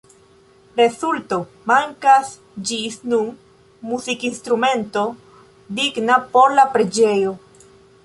Rezulto: Mankas ĝis nun muzikinstrumento digna por la preĝejo.